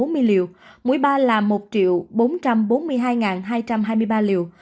mũi ba là một bốn trăm bốn mươi hai hai trăm hai mươi ba liều